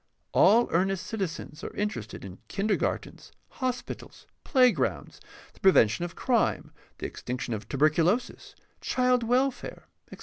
All earnest citizens are interested in kindergartens, hospitals, playgrounds, the prevention of crime, the extinction of tuberculosis, child wel fare, etc.